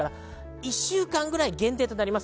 １週間ぐらい限定となります。